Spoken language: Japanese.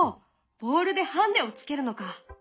ボールでハンデをつけるのか。